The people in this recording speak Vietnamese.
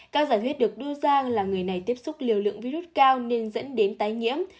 các giả thuyết được đưa ra là người này tiếp xúc liều lượng virus cao nên dẫn đến tái nhiễm